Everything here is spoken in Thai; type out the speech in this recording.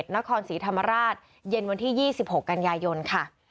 นครศรีธรรมราชเย็นวันที่๒๖กันยายนค่ะ